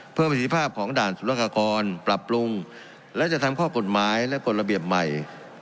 ประสิทธิภาพของด่านสุรกากรปรับปรุงและจะทำข้อกฎหมายและกฎระเบียบใหม่